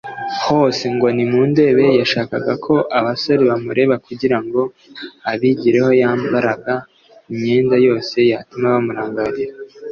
Hose ngo nimundebe yashakaga ko abasore bamureba kugira ngo abigereho yambaraga imyenda yose yatuma bamurangarira